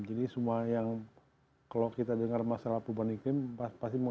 jadi semua yang kalau kita dengar masalah perubahan iklim pasti mengacunya ke lapan lapan